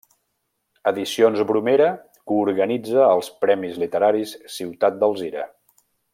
Edicions Bromera coorganitza els Premis Literaris Ciutat d'Alzira.